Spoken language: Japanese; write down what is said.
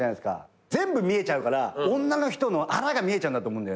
全部見えちゃうから女の人のあらが見えちゃうんだと思うんだよな。